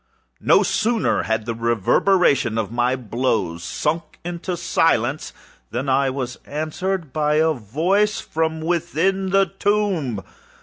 No sooner had the reverberation of my blows sunk into silence, than I was answered by a voice from within the tomb!